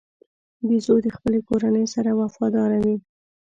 بیزو د خپلې کورنۍ سره وفاداره وي.